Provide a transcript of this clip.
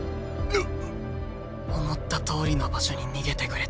思ったとおりの場所に逃げてくれた。